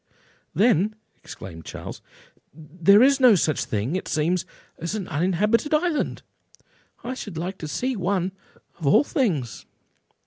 "Then," exclaimed Charles, "there is no such thing, it seems, as an uninhabited island? I should like to see one, of all things."